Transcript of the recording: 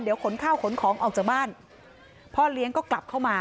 เดี๋ยวขนข้าวขนของออกจากบ้านพ่อเลี้ยงก็กลับเข้ามา